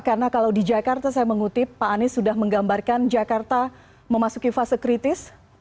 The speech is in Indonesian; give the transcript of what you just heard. karena kalau di jakarta saya mengutip pak anies sudah menggambarkan jakarta memasuki fase kritis